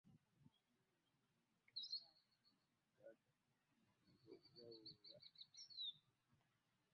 abayimbi abamu bazikidde lwa kulyamu bantu nkwe.